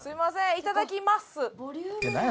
いただきまっす。